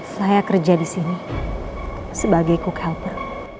saya kerja disini sebagai cook helper